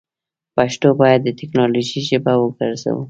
پښتو باید دټیکنالوژۍ ژبه وګرځوو.